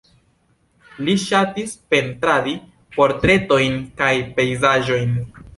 Li ŝatis pentradi portretojn kaj pejzaĝojn.